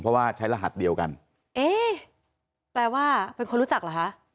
เพราะว่าใช้รหัสเดียวกันเอ๊ะแปลว่าเป็นคนรู้จักเหรอคะ